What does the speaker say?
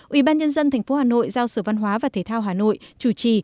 ủy ban nhân dân tp hà nội giao sở văn hóa và thể thao hà nội chủ trì